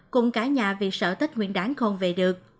cùng cả nhà vì sợ tết nguyên đáng khôn về được